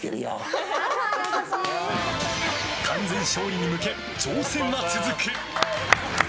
完全勝利に向け、挑戦は続く。